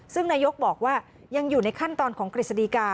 ซึ่งนายกบอกว่ายังอยู่ในขั้นตอนของกฤษฎีกา